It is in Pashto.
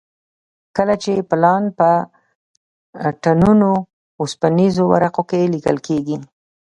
کله چې پلان په ټنونو اوسپنیزو ورقو کې لیکل کېږي.